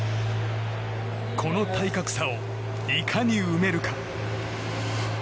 この体格差をいかに埋めるか。